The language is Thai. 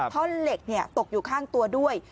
ท่อนเหล็กตกอยู่ข้างตัวด้วย